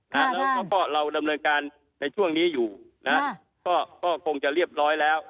แล้วก็เราดำเนินการในช่วงนี้อยู่นะฮะก็คงจะเรียบร้อยแล้ว